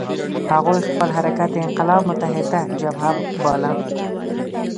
هغوی خپل حرکت د انقلاب متحده جبهه باله.